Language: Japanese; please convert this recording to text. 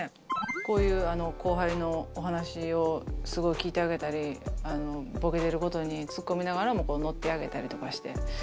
こういう後輩のお話をすごい聞いてあげたりボケてることにツッコみながらも乗ってあげたりとかして。